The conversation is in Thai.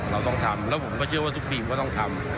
เราต้องทำแล้วผมก็เชื่อว่าทุกทีมก็ต้องทำ